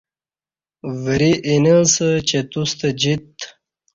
وری اینہ اسہ چہ توستہ جیت